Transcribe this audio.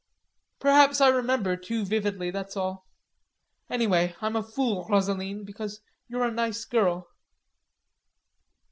"Probably I remember too vividly, that's all.... Anyway, I'm a fool, Rosaline, because you're a nice girl."